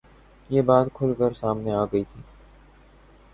یہ بات کُھل کر سامنے آ گئی تھی